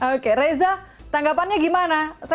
oke reza tanggapannya gimana